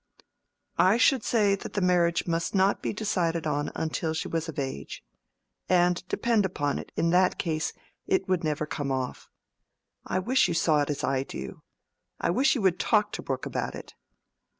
"I should say that the marriage must not be decided on until she was of age. And depend upon it, in that case, it would never come off. I wish you saw it as I do—I wish you would talk to Brooke about it."